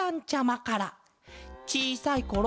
「ちいさいころ